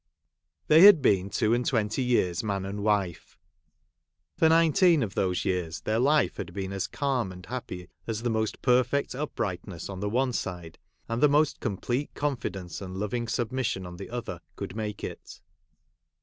They had been two and twenty years man and wife ; for nineteen of those years their life had been as calm and happy, as the most perfect uprightness on the one side, and the most complete confidence and loving submis sion on the other, could make it.